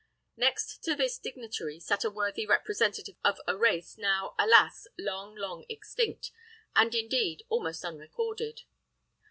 Next to this dignitary sat a worthy representative of a race now, alas! long, long extinct, and indeed almost unrecorded.